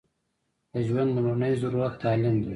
د ژوند لمړنۍ ضرورت تعلیم دی